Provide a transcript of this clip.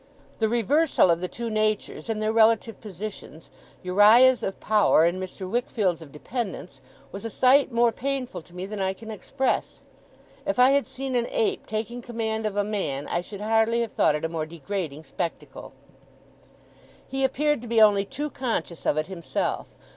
The reversal of the two natures, in their relative positions, Uriah's of power and Mr. Wickfield's of dependence, was a sight more painful to me than I can express. If I had seen an Ape taking command of a Man, I should hardly have thought it a more degrading spectacle. He appeared to be only too conscious of it himself.